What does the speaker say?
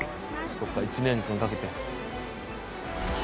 「そっか１年間かけて」